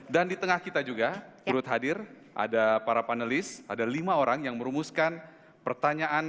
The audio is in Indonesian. dan di tengah kita juga turut hadir ada para panelis ada lima orang yang merumuskan pertanyaan